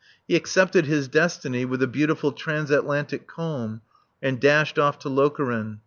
He accepted his destiny with a beautiful transatlantic calm and dashed off to Lokeren.